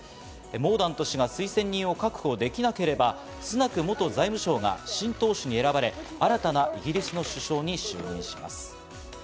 モーダント氏が推薦人を確保できなければスナク元財務相が新党首に選ばれ、新たなイギリスの首相に就任します。